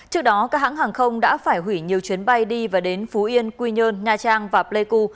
trước đó các hãng hàng không đã phải hủy nhiều chuyến bay đi và đến phú yên quy nhơn nha trang và pleiku